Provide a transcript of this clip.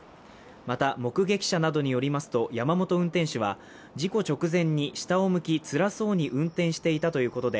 また、目撃者などによりますと、山本運転手は事故直前に下を向き、つらそうに運転していたということで、